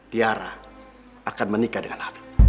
tiara akan menikah dengan habib